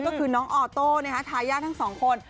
ก็คือน้องออโต้ทายาททั้งสองคน